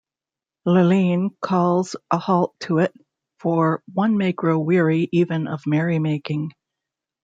Lurlene calls a halt to it, for "one may grow weary even of merrymaking".